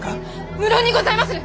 無論にございまする！